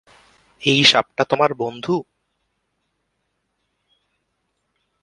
এই সাপটা তোমার বন্ধু?